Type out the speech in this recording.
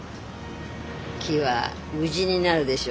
木は家になるでしょう。